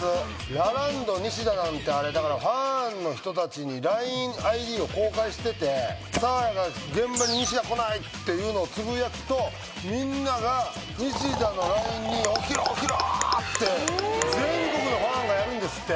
ラランド西田なんてあれだからファンの人たちにＬＩＮＥＩＤを公開しててサーヤが現場にニシダ来ないっていうのをつぶやくとみんながニシダのＬＩＮＥに起きろ起きろって全国のファンがやるんですって